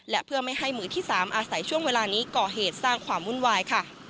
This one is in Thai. และเพื่อไม่ให้มือที่๓อาศัยช่วงเวลานี้ก่อเหตุสร้างความวุ่นวายค่ะ